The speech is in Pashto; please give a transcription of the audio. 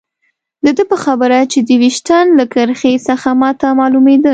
د ده په خبره چې د ویشتن له کرښې څخه ما ته معلومېده.